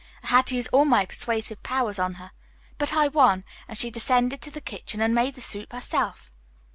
I had to use all my persuasive powers on her. But I won, and she descended to the kitchen and made the soup herself."